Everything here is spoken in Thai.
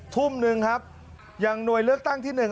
ทุ่มหนึ่งครับยังหน่วยลึกตั้งที่หนึ่ง